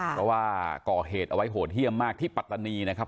เพราะว่าก่อเหตุเอาไว้โหดเยี่ยมมากที่ปัตตานีนะครับ